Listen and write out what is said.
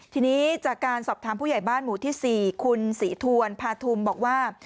ทีนี้จากการสอบถามผู้ใหญ่บ้านหมู่ที่๔คุณศรีทวนพาทุมบอกว่า